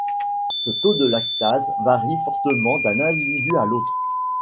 Ce taux de lactase varie fortement d'un individu à l'autre.